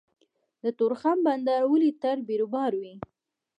د تورخم بندر ولې تل بیروبار وي؟